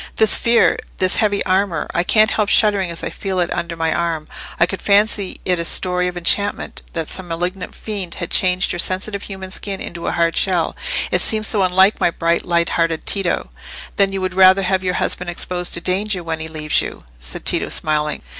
"This fear—this heavy armour. I can't help shuddering as I feel it under my arm. I could fancy it a story of enchantment—that some malignant fiend had changed your sensitive human skin into a hard shell. It seems so unlike my bright, light hearted Tito!" "Then you would rather have your husband exposed to danger, when he leaves you?" said Tito, smiling.